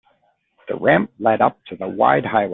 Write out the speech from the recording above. The ramp led up to the wide highway.